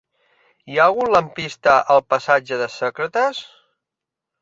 Hi ha algun lampista al passatge de Sòcrates?